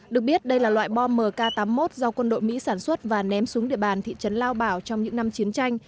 được biết đây là loại bom mk tám mươi một do quân đội mỹ sản xuất và ném xuống địa bàn thị trấn lao bảo trong những năm chiến tranh